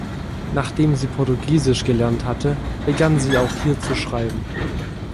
Nachdem Sie Portugiesisch gelernt hatte, begann sie auch hier zu schreiben.